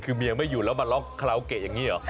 คือเมียไม่อยู่แล้วมาล็อกคาราโอเกะอย่างนี้หรอ